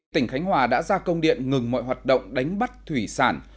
tỉnh khánh hòa đã ra công điện ngừng mọi hoạt động đánh bắt thủy sản